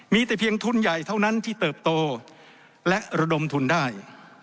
มีแต่เพียงทุนใหญ่เท่านั้นที่เติบโตและระดมทุนได้